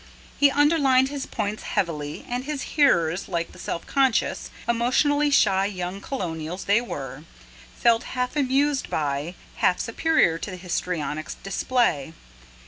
He underlined his points heavily, and his hearers, like the self conscious, emotionally shy young colonials they were, felt half amused by, half superior to the histrionic display.